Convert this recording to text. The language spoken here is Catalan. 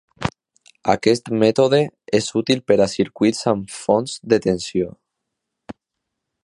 Aquest mètode és útil per a circuits amb fonts de tensió.